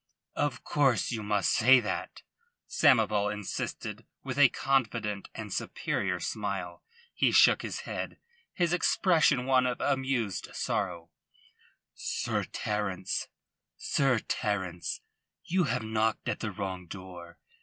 "Of course you must say that," Samoval insisted, with a confident and superior smile. He shook his head, his expression one of amused sorrow. "Sir Terence, you have knocked at the wrong door.